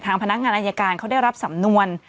พนักงานอายการเขาได้รับสำนวน